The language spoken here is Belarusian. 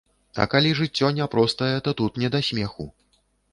А калі жыццё няпростае, то тут не да смеху.